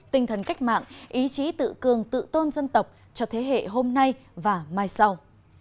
tinh thần cách mạng ý chí tự cường tự tôn dân tộc cho thế hệ hôm nay và mai sau